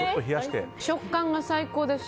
食感が最高です。